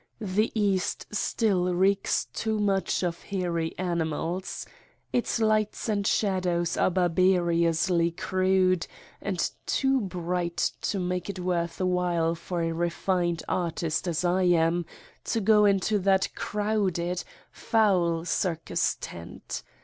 The East still reeks too much of hairy animals. Its lights and shadows are barbarously crude and too bright to make it worth while for a refined artist as I am to go into that crowded, foul circus tent.